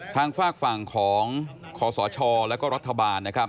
ทางฝากฝั่งของขอสอชอและก็รัฐบาล